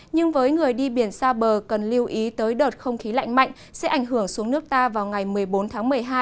nhưng với người đi biển xa bờ cần lưu ý tới đợt không khí lạnh mạnh sẽ ảnh hưởng xuống nước ta vào ngày một mươi bốn tháng một mươi hai